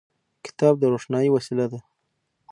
کتاب د روښنايي وسیله ده.